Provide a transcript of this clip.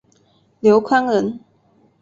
刘宽人。